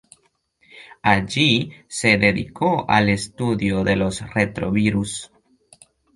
Allí, se dedicó al estudio de los retrovirus.